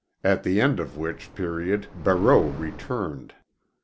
At the end of which period Barreau returned.